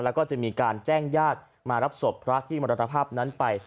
แล้วก็จะมีการแจ้งญาติมารับศพพระที่มรณภาพนั้นไป